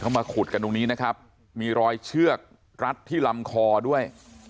มาขุดกันตรงนี้นะครับมีรอยเชือกรัดที่ลำคอด้วย